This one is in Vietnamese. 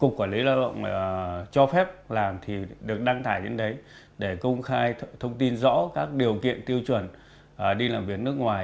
cục quản lý lao động cho phép làm thì được đăng tải đến đấy để công khai thông tin rõ các điều kiện tiêu chuẩn đi làm việc nước ngoài